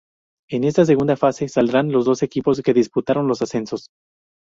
En esta segunda fase saldrán los dos equipos que disputaron los ascensos.